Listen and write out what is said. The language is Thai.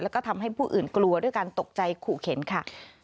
แล้วก็ทำให้ผู้อื่นกลัวด้วยการตกใจขู่เข็นค่ะ